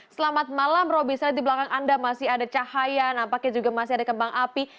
selamat malam roby saya lihat di belakang anda masih ada cahaya nampaknya juga masih ada kembang api